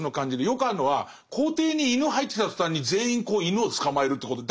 よくあるのは校庭に犬入ってきた途端に全員犬を捕まえるってこと。